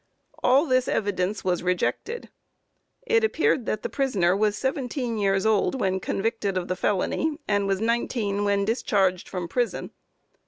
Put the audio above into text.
All this evidence was rejected. It appeared that the prisoner was seventeen years old when convicted of the felony, and was nineteen when discharged from prison.